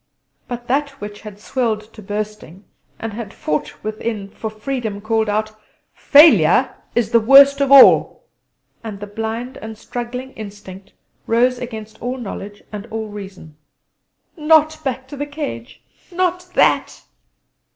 But that which had swelled to bursting and had fought within for freedom called out: "Failure is the worst of all!" And the blind and struggling instinct rose against all knowledge and all reason. "Not back to the cage! Not that!"